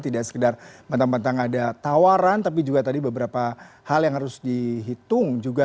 tidak sekedar mentang mentang ada tawaran tapi juga tadi beberapa hal yang harus dihitung juga